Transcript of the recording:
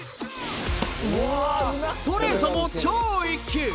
ストレートも超一級。